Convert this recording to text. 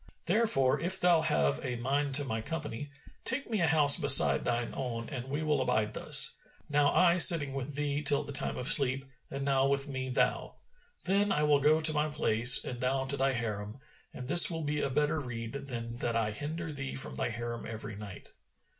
Therefore if thou have a mind to my company, take me a house beside thine own and we will abide thus, now I sitting with thee till the time of sleep, and now with me thou. Then I will go to my place and thou to thy Harim and this will be a better rede than that I hinder thee from thy Harim every night.'